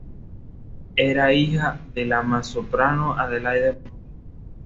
Era hija de la mezzosoprano Adelaide Borghi-Mamo.